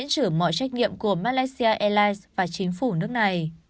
anh cũng trả trừ mọi trách nhiệm của malaysia airlines và chính phủ nước này